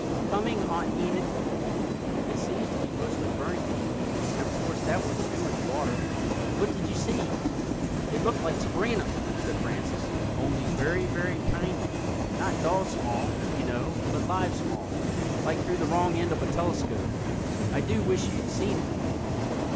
"Coming, Aunt Enid! It seems to be mostly burning things, and, of course, that wouldn't do in the water. What did you see?" "It looked like Sabrina," said Francis—"only tiny, tiny. Not doll small, you know, but live small, like through the wrong end of a telescope. I do wish you'd seen it."